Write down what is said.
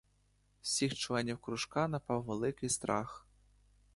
Всіх членів кружка напав великий страх.